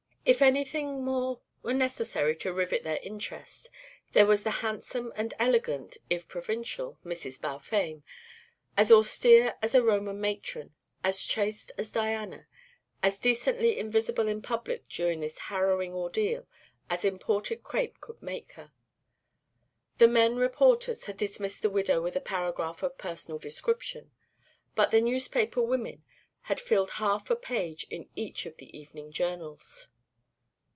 If anything more were necessary to rivet their interest, there was the handsome and elegant (if provincial) Mrs. Balfame, as austere as a Roman matron, as chaste as Diana, as decently invisible in public during this harrowing ordeal as imported crêpe could make her. The men reporters had dismissed the widow with a paragraph of personal description, but the newspaper women had filled half a page in each of the evening journals.